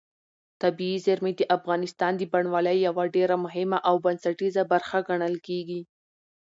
طبیعي زیرمې د افغانستان د بڼوالۍ یوه ډېره مهمه او بنسټیزه برخه ګڼل کېږي.